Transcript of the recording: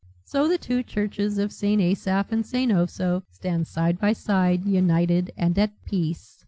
So the two churches of St. Asaph and St. Osoph stand side by side united and at peace.